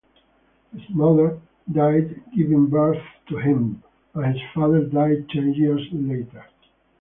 His mother died giving birth to him, and his father died ten years later.